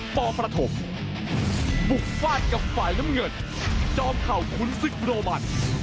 ฟาดกับฝ่ายล้ำเงิดจอมเข่าคุณซึกโบรมัติ